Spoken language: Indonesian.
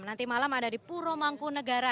nanti malam ada di puromangku negara